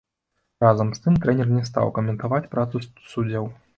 Разам з тым трэнер не стаў каментаваць працу суддзяў.